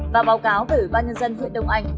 và báo cáo về ủy ban nhân dân huyện đông anh